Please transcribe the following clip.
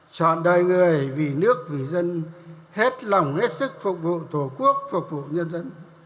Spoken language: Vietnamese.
chọn đời người vì nước vì dân hết lòng hết sức phục vụ tổ quốc phục vụ nhân dân